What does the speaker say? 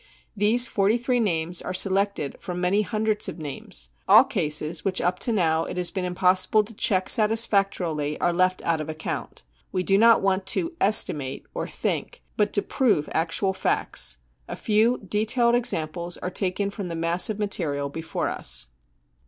These 43 names are selected from many hundreds of names ; all cases which up to now it has been impossible to check satisfactorily are left out of account. We do not want to " estimate 55 or " think," but to prove actual facts : a few detailed examples are taken from the mass of material before us.